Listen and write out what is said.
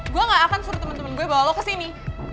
gue gak akan suruh temen temen gue bawa lo kesini